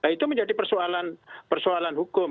itu menjadi persoalan hukum